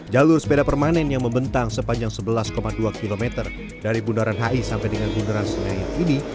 jalur sepeda permanen yang membentang sepanjang sebelas dua km dari bundaran hi sampai dengan bundaran senayan ini